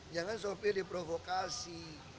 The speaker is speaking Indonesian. jangan sopir diprovokasi